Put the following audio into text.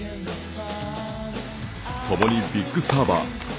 共にビッグサーバー。